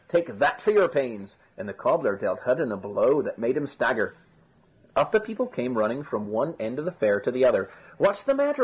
Take that for your pains," and the cobbler dealt Hudden a blow that made him stagger. Up the people came running from one end of the fair to the other. "What's the matter?